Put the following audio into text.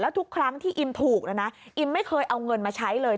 ทุกครั้งที่อิมถูกนะนะอิมไม่เคยเอาเงินมาใช้เลย